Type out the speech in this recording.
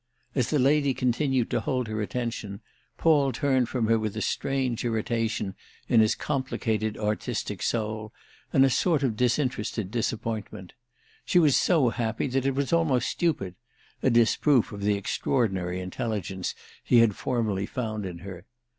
As the lady continued to hold her attention Paul turned from her with a strange irritation in his complicated artistic soul and a sort of disinterested disappointment. She was so happy that it was almost stupid—a disproof of the extraordinary intelligence he had formerly found in her.